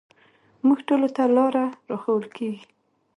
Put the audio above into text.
موږ ټولو ته لاره راښوول کېږي.